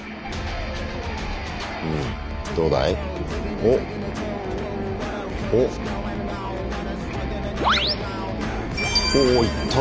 おおいったね。